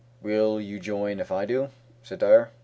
Will you join if I do," said Dyer.